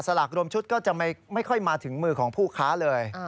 ลากรวมชุดก็จะไม่ค่อยมาถึงมือของผู้ค้าเลย